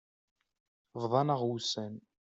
Bḍan-aɣ wussan.